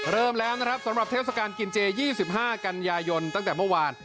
เริ่มแล้วนะครับสำหรับเทศกาลกินเจ๒๕กันยายนตั้งแต่เมื่อวาน